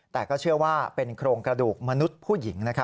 แต่ก็เชื่อว่าเป็นโครงกระดูกมนุษย์ผู้หญิง